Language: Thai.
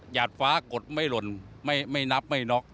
ดฟ้ากดไม่หล่นไม่นับไม่น็อก